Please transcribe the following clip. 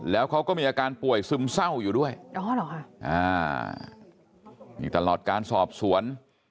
แล้วเขาก็มีอาการป่วยซึมเศร้าอยู่ด้วยนี่ตลอดการสอบสวน